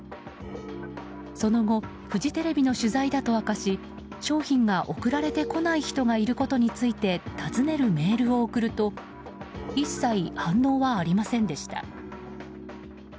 その後フジテレビの取材だと明かし商品が送られてこない人がいることについて尋ねるメールを送ると一切反応はありませんでした。